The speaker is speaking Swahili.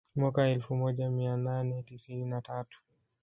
Mwaka wa elfu moja mia nane tisini na tatu